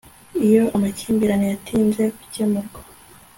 iyo amakimbirane yatinze gukemurwa